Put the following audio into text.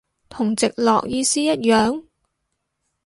同直落意思一樣？